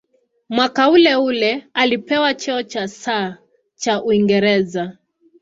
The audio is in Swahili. Mwaka uleule alipewa cheo cha "Sir" cha Uingereza.